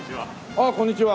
あっこんにちは。